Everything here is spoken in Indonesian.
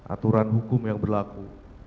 aturan hukum yang berlaku